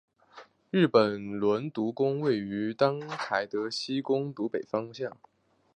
日木伦独宫位于当圪希德独宫西北方向。